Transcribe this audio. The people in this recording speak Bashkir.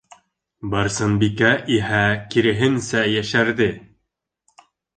Барсынбикә иһә, киреһенсә, йәшәрҙе.